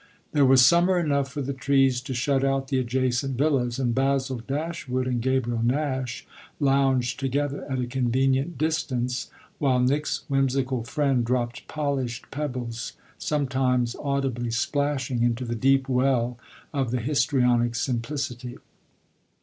There was summer enough for the trees to shut out the adjacent villas, and Basil Dashwood and Gabriel Nash lounged together at a convenient distance while Nick's whimsical friend dropped polished pebbles, sometimes audibly splashing, into the deep well of the histrionic simplicity.